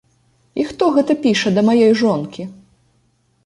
І хто гэта піша да маёй жонкі?